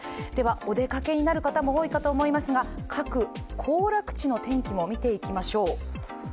お出かけになる方も多いと思いますが、各行楽地の天気も見ていきましょう。